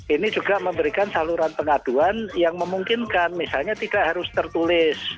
ini juga memberikan saluran pengaduan yang memungkinkan misalnya tidak harus tertulis